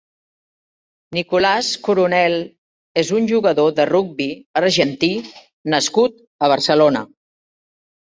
Nicolás Coronel és un jugador de rugbi argentí nascut a Barcelona.